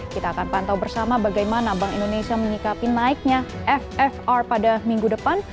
kita akan pantau bersama bagaimana bank indonesia menyikapi naiknya ffr pada minggu depan